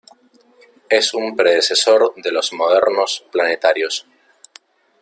Es un predecesor de los modernos planetarios.